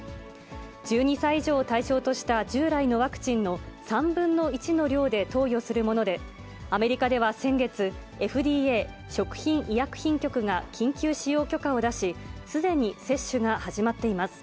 １２歳以上を対象とした従来のワクチンの３分の１の量で投与するもので、アメリカでは先月、ＦＤＡ・食品医薬品局が緊急使用許可を出し、すでに接種が始まっています。